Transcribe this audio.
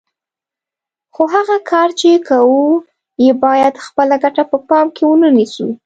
خو هغه کار چې کوو یې باید خپله ګټه په پام کې ونه نیسو.